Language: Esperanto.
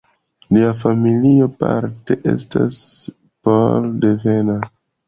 Lia familio parte estas pol-devena.